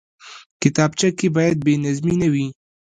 کتابچه کې باید بېنظمي نه وي